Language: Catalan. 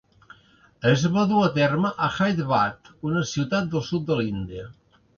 Es va dur a terme a Hyderabad, una ciutat del sud de l'Índia.